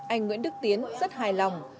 anh nguyễn đức tiến rất hài lòng